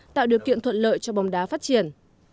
tạo điều kiện thuận lợi cho bóng đá phát triển